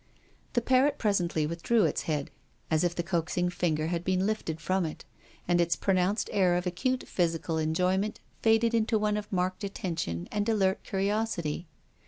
The parrot presently withdrew its head, as if the coaxing finger had been lifted from it, and its pronounced air of acute physical enjoyment faded into one of marked attention and alert curiosity.